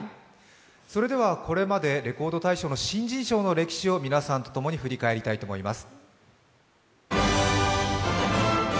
それではこれまで「レコード大賞」の新人賞の歴史を皆さんと共に振り返りたいと思います。